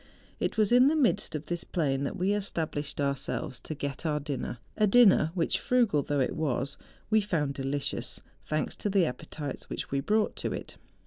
It was in the midst of this plain that we established ourselves to get our dinner,— a dinner which, frugal though it was, we found delicious, thanks to the appetites which we brought to it.